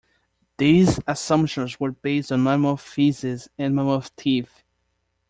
These assumptions were based on mammoth feces and mammoth teeth.